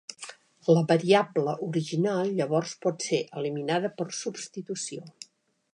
La variable original llavors pot ser eliminada per substitució.